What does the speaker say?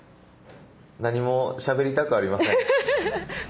何もしゃべりたくありません。